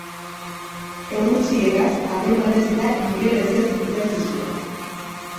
Errusieraz, alemanez eta ingelesez idatzi zuen.